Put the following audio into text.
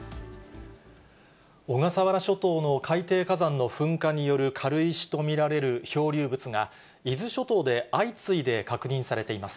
小笠原諸島の海底火山の噴火による軽石と見られる漂流物が、伊豆諸島で相次いで確認されています。